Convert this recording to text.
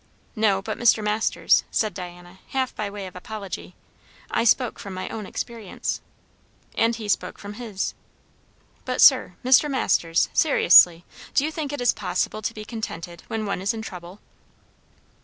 "No, but, Mr. Masters," said Diana, half by way of apology, "I spoke from my own experience." "And he spoke from his." "But, sir, Mr. Masters, seriously, do you think it is possible to be contented when one is in trouble?"